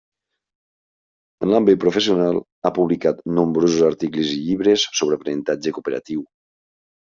En l'àmbit professional, ha publicat nombrosos articles i llibres sobre aprenentatge cooperatiu.